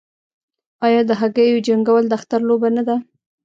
آیا د هګیو جنګول د اختر لوبه نه ده؟